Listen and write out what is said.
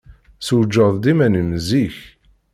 Sewjed-d iman-im zik.